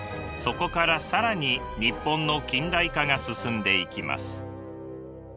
そこから更に日本の近代化が進んでいきます。